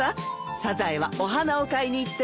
サザエはお花を買いに行ってるのよ。